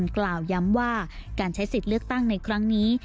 กล่าวย้ำว่าการใช้สิทธิ์เลือกตั้งในครั้งนี้